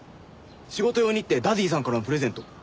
仕事用にってダディさんからのプレゼント。